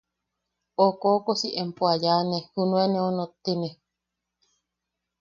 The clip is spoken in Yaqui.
O koʼokosi empo a yaane junuen eu nottine.